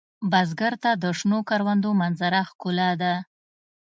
بزګر ته د شنو کروندو منظره ښکلا ده